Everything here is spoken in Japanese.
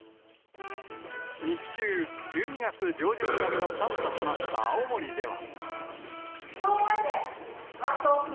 日中、１２月上旬並みの寒さとなった青森では。